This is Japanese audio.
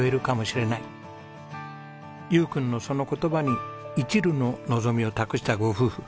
悠君のその言葉に一縷の望みを託したご夫婦。